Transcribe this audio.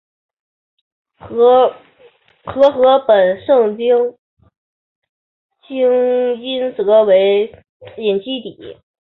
和合本圣经音译为隐基底。